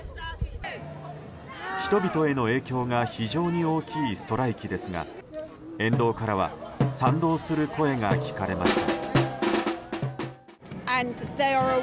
人々への影響が非常に大きいストライキですが沿道からは賛同する声が聞かれました。